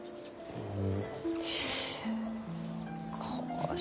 うん。